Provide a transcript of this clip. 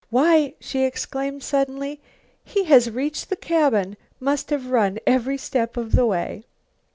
"Why," she exclaimed suddenly, "he has reached the cabin! Must have run every step of the way!"